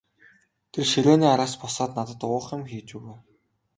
Тэр ширээний араас босоод надад уух юм хийж өгөв.